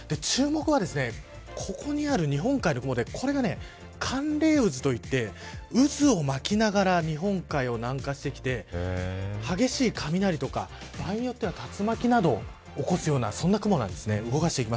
注目はここにある日本海の方でこれが寒冷渦といって渦を巻きながら日本海を南下してきて激しい雷とか場合によっては、竜巻などを起こすようなそんな雲なんです。